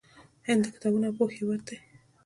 هند د کتابونو او پوهې هیواد دی.